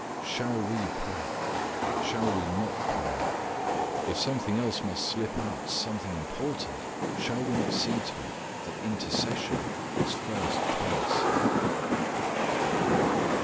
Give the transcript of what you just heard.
Shall we pray! Shall we not pray! If something else must slip out, something important, shall we not see to it that intercession has first place!